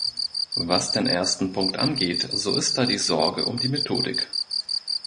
Was den ersten Punkt angeht, so ist da die Sorge um die Methodik.